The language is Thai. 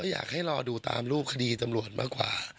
อยากให้รอดูตามรูปคดีตำรวจมากกว่า